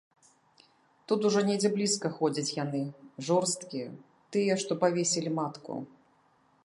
Тут ужо недзе блізка ходзяць яны, жорсткія, тыя, што павесілі матку.